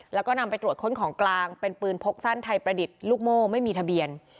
แล้วก็นำไปตรวจค้นของกลางเป็นปืนพกสั้นไทยประดิษฐ์ลูกโม่ไม่มีทะเบียน